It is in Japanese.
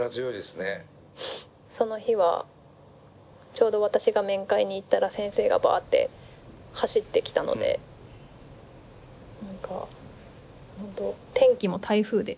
その日はちょうど私が面会に行ったら先生がバッて走ってきたので何か天気も台風で。